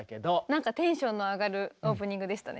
なんかテンションの上がるオープニングでしたね。